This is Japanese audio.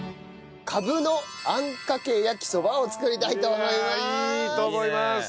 カブのあんかけ焼きそばを作りたいと思います。